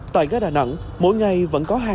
tại ga đà nẵng mỗi ngày vẫn có hai ba người mua vé